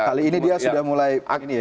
kali ini dia sudah mulai